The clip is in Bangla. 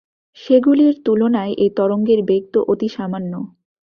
সেগুলির তুলনায় এ তরঙ্গের বেগ তো অতি সামান্য।